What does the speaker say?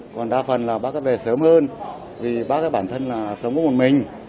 còn đa phần là bác cái về sớm hơn vì bác cái bản thân là sống có một mình